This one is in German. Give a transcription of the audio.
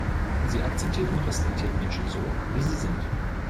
Sie akzeptiert und respektiert Menschen so, wie sie sind.